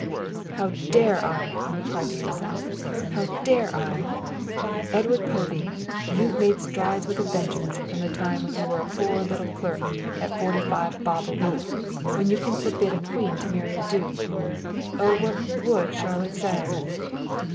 "How dare I!" he cried to himself, "how dare I! Edward Povey, you've made strides with a vengeance from the time when you were a poor little clerk at forty five bob a week, when you can forbid a queen to marry a duke! Oh, what would Charlotte say?"